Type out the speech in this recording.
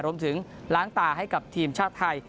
รวมถึงล้างตาให้กับทีมชาติไทย